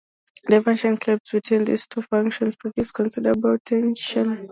The divergent aims between these two factions produced considerable tensions.